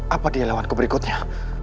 apa dia lawanku berikutnya